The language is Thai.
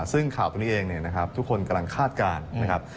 ซึ่งข่าวตัวนี้เองเนี่ยนะครับทุกคนกำลังคาดการณ์นะครับ